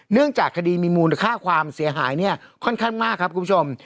เนื่องจากคดีมีมูลค่าความเสียหายเนี่ยค่อนข้างมากครับคุณผู้ชม